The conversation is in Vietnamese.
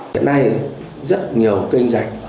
hiện nay rất nhiều kinh dạch